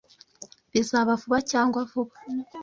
Bizaba vuba cyangwa vuba.